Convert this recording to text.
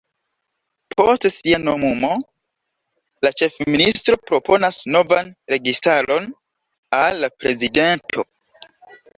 Post sia nomumo, la ĉefministro proponas novan registaron al la Prezidento.